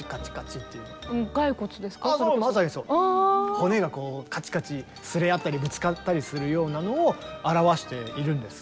骨がカチカチ擦れ合ったりぶつかったりするようなのを表しているんですね。